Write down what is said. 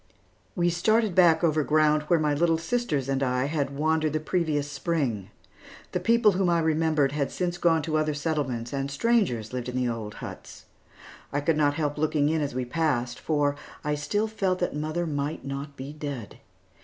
We started back over ground where my little sisters and I had wandered the previous Spring. The people whom I remembered had since gone to other settlements, and strangers lived in the old huts. I could not help looking in as we passed, for I still felt that mother might not be dead.